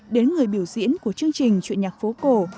đến người biểu diễn của chương trình chuyện nhạc phố cổ